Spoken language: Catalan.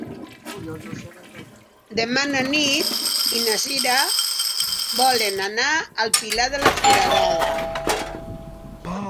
Demà na Nit i na Sira volen anar al Pilar de la Foradada.